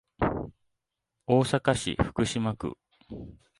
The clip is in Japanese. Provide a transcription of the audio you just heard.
大阪市福島区